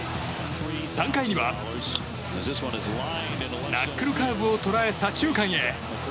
３回にはナックルカーブを捉え左中間へ。